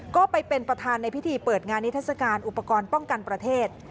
ก็ไปเป็นประธานในพิธีเปิดงานนิทัศกาลอุปกรณ์ป้องกันประเทศ